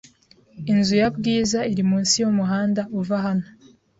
Inzu ya Bwiza iri munsi yumuhanda uva hano